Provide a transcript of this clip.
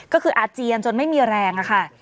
ก็คืออาเจียนจนไม่มีแรงค่ะ